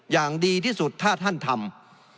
อย่างดีที่สุดถ้าท่านทำ